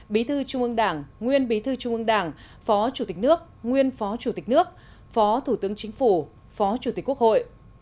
bí thư trung ương đảng nguyên bí thư trung ương đảng phó chủ tịch nước nguyên phó chủ tịch nước phó thủ tướng chính phủ phó chủ tịch quốc hội